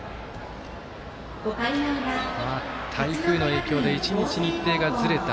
台風の影響で１日、日程がずれた。